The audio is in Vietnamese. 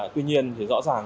tuy nhiên thì rõ ràng